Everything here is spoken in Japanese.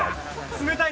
冷たい！